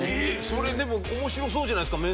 それでも面白そうじゃないですか。